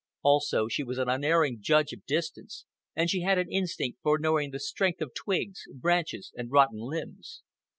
Also, she was an unerring judge of distance, and she had an instinct for knowing the strength of twigs, branches, and rotten limbs.